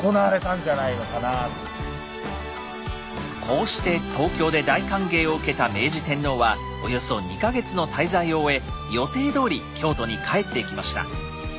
こうして東京で大歓迎を受けた明治天皇はおよそ２か月の滞在を終え予定どおり京都に帰っていきました。